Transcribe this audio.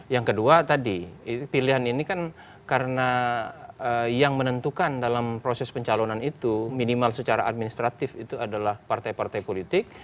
yang kedua tadi pilihan ini kan karena yang menentukan dalam proses pencalonan itu minimal secara administratif itu adalah partai partai politik